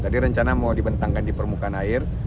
tadi rencana mau dibentangkan di permukaan air